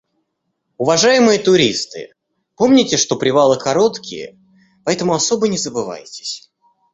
Уважаемые туристы, помните, что привалы короткие, поэтому особо не забывайтесь.